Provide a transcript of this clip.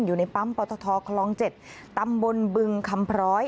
อยู่ในปั๊มปตทคลอง๗ตำบลบึงคำพร้อย